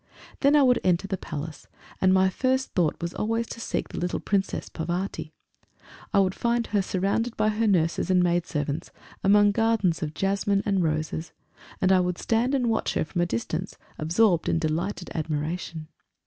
Then I would enter the Palace, and my first thought was always to seek the little Princess Parvati. I would find her surrounded by her nurses and maid servants, among gardens of jasmine and roses, and I would stand and watch her from a distance, absorbed in delighted admiration.